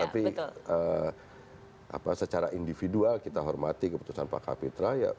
tapi secara individual kita hormati keputusan pak kapitra